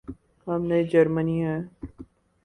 ہم نہ جرمنی ہیں۔